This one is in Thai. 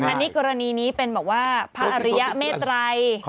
อันนี้กรณีนี้เป็นบอกว่าภาระยะแม่ไตร